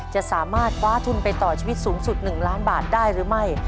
จะสามารถคว้าทุนไปต่อชีวิตสูงสุด๑ล้านบาทได้หรือไม่